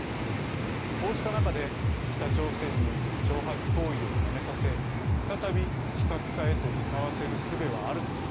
こうした中で北朝鮮に挑発行為をやめさせ再び非核化へと向かわせるすべはあるのか。